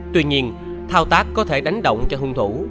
tuy nhiên thao tác có thể đánh động cho hung thủ